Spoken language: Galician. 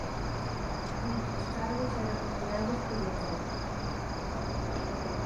Ditos cargos eran nomeados polo conde.